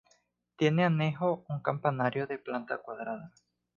Tiene anejo un campanario de planta cuadrada.